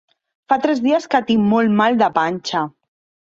Fa tres dies que tinc molt mal de panxa.